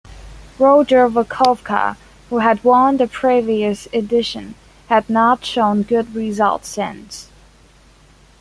Roger Walkowiak, who had won the previous edition, had not shown good results since.